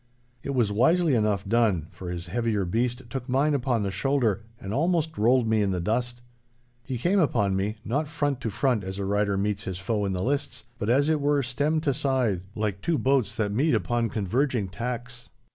It was wisely enough done, for his heavier beast took mine upon the shoulder and almost rolled me in the dust. He came upon me, not front to front as a rider meets his foe in the lists, but, as it were stem to side, like two boats that meet upon converging tacks.